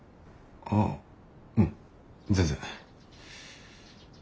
ああうん全然。